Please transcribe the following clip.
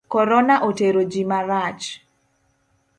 Korona otero ji marach.